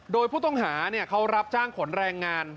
โดยผู้ต้องหาเขารับจ้างขนแรงงาน